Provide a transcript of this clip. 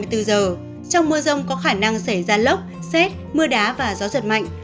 trong mưa rông có khả năng xảy ra lốc xét mưa đá và gió giật mạnh